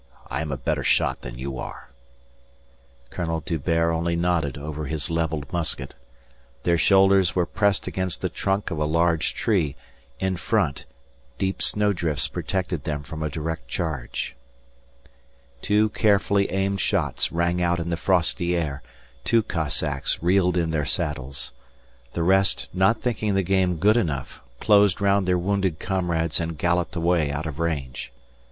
I am a better shot than you are." Colonel D'Hubert only nodded over his levelled musket. Their shoulders were pressed against the trunk of a large tree; in front, deep snowdrifts protected them from a direct charge. [Illustration: 088.jpg "You take the nearest brute, Colonel D'Hubert"] Two carefully aimed shots rang out in the frosty air, two Cossacks reeled in their saddles. The rest, not thinking the game good enough, closed round their wounded comrades and galloped away out of range.